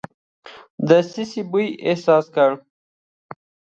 دسیسې بوی احساس کړ.